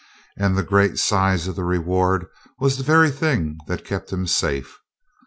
And the great size of the reward was the very thing that kept him safe.